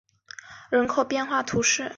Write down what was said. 圣伊勒皮兹人口变化图示